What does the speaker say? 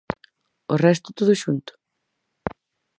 ¿O resto todo xunto?